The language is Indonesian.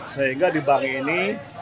sehingga di bank ini